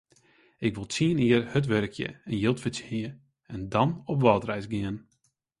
Ik wol tsien jier hurd wurkje en jild fertsjinje en dan op wrâldreis gean.